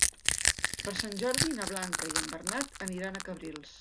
Per Sant Jordi na Blanca i en Bernat aniran a Cabrils.